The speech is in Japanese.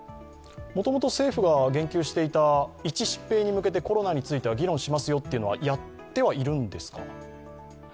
もともと政府が言及していた一疾病に向けて、コロナに関しては議論しますよというのはやってはいるんですか？